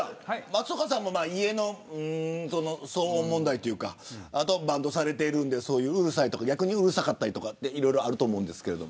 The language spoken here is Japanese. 松岡さんも家の騒音問題というかバンドされているのでそういう、うるさいとか逆にうるさかったりとかいろいろあると思うんですけど。